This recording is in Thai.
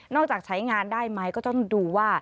จากใช้งานได้ไหมก็ต้องดูว่า